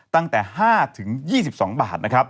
ตั้งแต่๕ถึง๒๒บาท